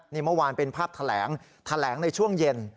นี่เมื่อวานเป็นภาพแถลงแถลงในช่วงเย็น